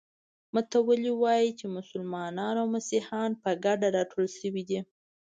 متوالي وایي چې مسلمانان او مسیحیان په ګډه راټول شوي دي.